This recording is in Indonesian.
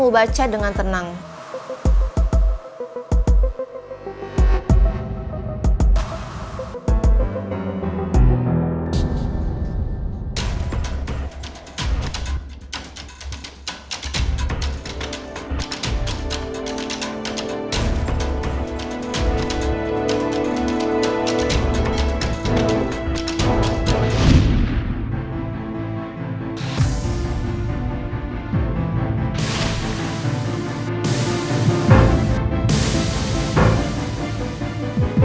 udah terima suratnya atau belum